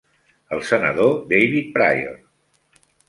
El senador David Pryor.